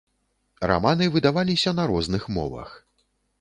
Раманы выдаваліся на розных мовах.